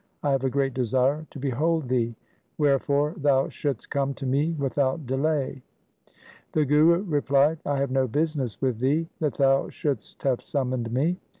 I have a great desire to behold thee. Wherefore thou shouldst come to me without delay.' The Guru replied, ' I have no business with thee that thou shouldst have summoned me.